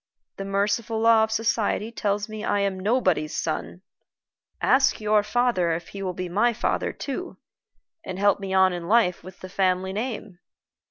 The merciful law of society tells me I am nobody's son! Ask your father if he will be my father too, and help me on in life with the family name."